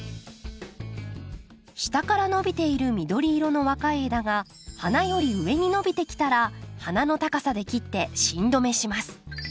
下から伸びている緑色の若い枝が花より上に伸びてきたら花の高さで切って芯止めします。